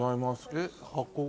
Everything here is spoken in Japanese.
えっ箱。